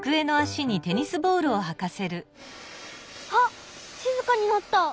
あっしずかになった！